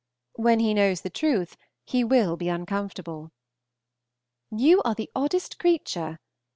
When he knows the truth, he will be uncomfortable. You are the oddest creature!